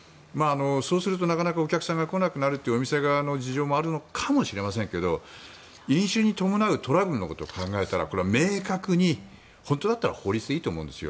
そうすると、なかなかお客さんが来なくなるというお店側の事情もあるのかもしれませんが飲酒に伴うトラブルのことを考えたらこれは明確に、本当だったら法律でいいと思うんです。